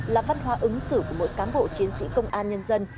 là văn hóa ứng xử của mỗi cán bộ chiến sĩ công an nhân dân